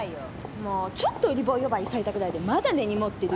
もうちょっとウリボウ呼ばわりされたぐらいでまだ根にもってる。